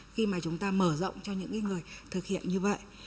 khi mà chúng ta mở rộng cho những người thực hiện như vậy